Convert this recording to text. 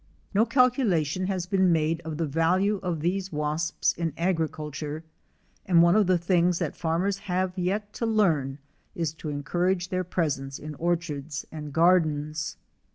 No calculation has been made of the value of these wasps in agriculture, and one of the things that farmers have yet to learn is to encourage their presence in orchards and gardens.